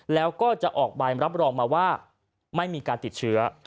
แล้วก็จะออกใบรับรองมาว่าไม่มีการติดเชื้อ